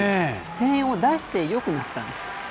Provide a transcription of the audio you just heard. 声援を出してよくなったんです。